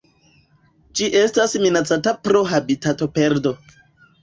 Ĝi estas minacata pro habitatoperdo.